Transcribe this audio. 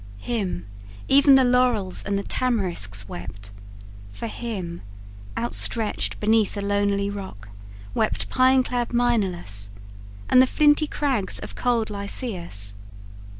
Him Even the laurels and the tamarisks wept; For him, outstretched beneath a lonely rock, Wept pine clad Maenalus, and the flinty crags Of cold Lycaeus.